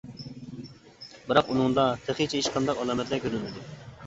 بىراق ئۇنىڭدا تېخىچە ھېچقانداق ئالامەتلەر كۆرۈلمىدى.